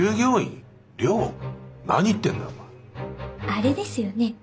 あれですよね？